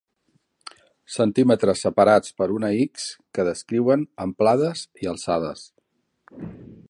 Centímetres separats per una ics que descriuen amplades i alçades.